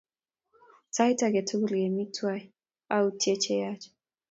Sait ake tukul kemi twai autye che yaach.